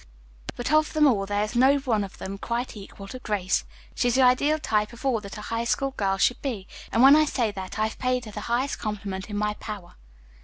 But of them all there is no one of them quite equal to Grace. She is the ideal type of all that a High School girl should be, and when I say that I have paid her the highest compliment in my power."